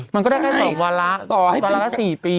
มันก็ได้๒วันละ๔ปี